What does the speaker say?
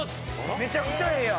めちゃくちゃええやん。